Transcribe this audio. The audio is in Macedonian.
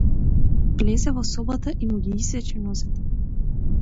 Влезе во собата и му ги исече нозете.